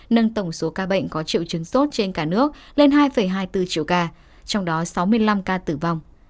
nâng tổng số ca bệnh có triệu chứng sốt trên cả nước lên hai hai mươi bốn triệu ca trong đó sáu mươi năm ca tử vong